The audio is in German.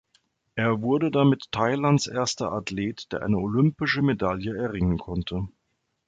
Er wurde damit Thailands erster Athlet, der eine olympische Medaille erringen konnte.